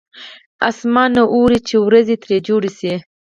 اسمان نه اوري چې ورېځې ترې جوړې شي.